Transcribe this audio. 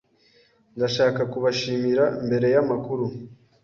Ndashaka kubashimira mbere yamakuru.